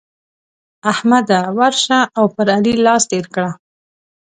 احمده! ورشه او پر علي لاس تېر کړه.